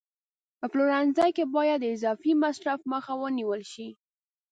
په پلورنځي کې باید د اضافي مصرف مخه ونیول شي.